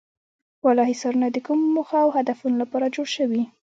بالا حصارونه د کومو موخو او هدفونو لپاره جوړ شوي.